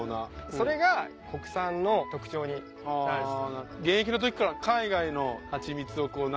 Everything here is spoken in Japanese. それが国産の特徴になるんです。